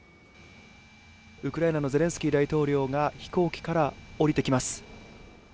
ウクライナのゼレンスキー大統領が飛行機から降りてきます。